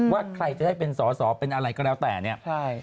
ว่าใครจะได้เป็นสอสอเป็นอะไรก็แล้วแต่เนี่ย